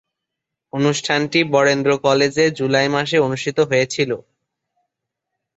অনুষ্ঠানটি বরেন্দ্র কলেজে জুলাই মাসে অনুষ্ঠিত হয়েছিলো।